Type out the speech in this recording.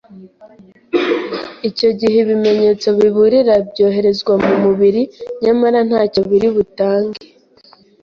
Icyo gihe ibimenyetso biburira byoherezwa mu mubiri nyamara ntacyo biri butange,